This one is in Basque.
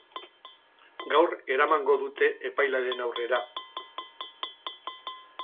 Gaur eramango dute epailearen aurrera.